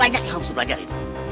banyak yang harus lo pelajari